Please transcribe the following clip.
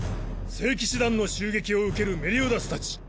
聖騎士団の襲撃を受けるメリオダスたち